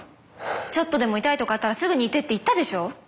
ちょっとでも痛いとかあったらすぐに言ってって言ったでしょ！